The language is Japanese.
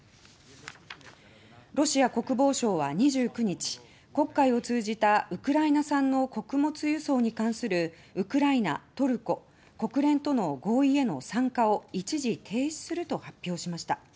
ロシア国防省は２９日黒海を通じたウクライナ産の穀物輸送に関するウクライナ、トルコ、国連との合意への参加を一時停止すると発表しました。